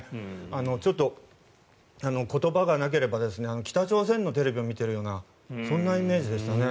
ちょっと言葉がなければ北朝鮮のテレビを見ているようなそんなイメージでしたね。